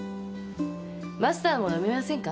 マスターも飲みませんか？